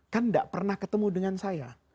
kan tidak pernah ketemu dengan saya